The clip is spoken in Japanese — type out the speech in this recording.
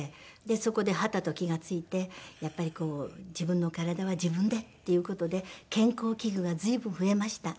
そこではたと気が付いてやっぱりこう自分の体は自分でっていう事で健康器具が随分増えました。